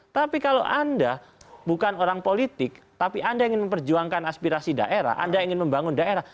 tapi kalau anda bukan orang politik tapi anda ingin memperjuangkan aspirasi daerah anda ingin membangun daerah